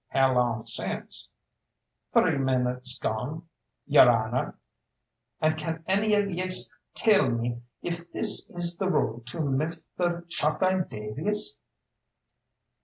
"How long since?" "Three minutes gone, yer 'anner; and can any of yez tell me if this is the road to Misther Chalkeye Davies?"